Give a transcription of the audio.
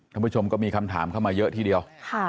ท่านผู้ชมก็มีคำถามเข้ามาเยอะทีเดียว